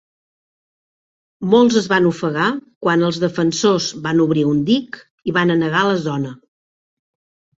Molts es van ofegar quan els defensors van obrir un dic i van anegar la zona.